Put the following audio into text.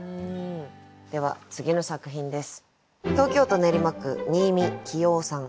では次の作品です。